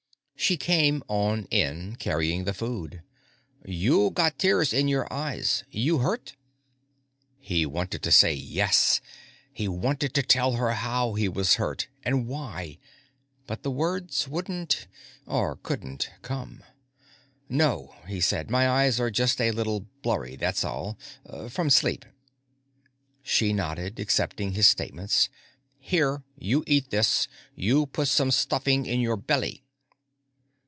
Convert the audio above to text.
She came on in, carrying the food. "You got tears in your eyes. You hurt?" He wanted to say yes. He wanted to tell her how he was hurt and why. But the words wouldn't or couldn't come. "No," he said. "My eyes are just a little blurry, that's all. From sleep." She nodded, accepting his statements. "Here. You eat you this. Put some stuffing in you belly."